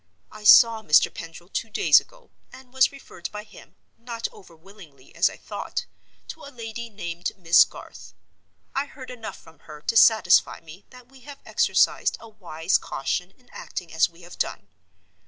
I saw Mr. Pendril two days ago, and was referred by him—not overwillingly, as I thought—to a lady named Miss Garth. I heard enough from her to satisfy me that we have exercised a wise caution in acting as we have done.